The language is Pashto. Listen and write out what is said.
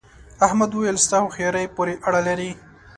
احمد وويل: ستا هوښیارۍ پورې اړه لري.